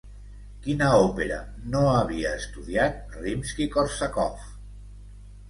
Quina òpera no havia estudiat Rimski-Kórsakov?